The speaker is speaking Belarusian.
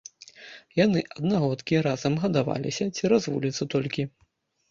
Яны аднагодкі, разам гадаваліся, цераз вуліцу толькі.